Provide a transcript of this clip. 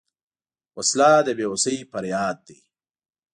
وسله د بېوسۍ فریاد دی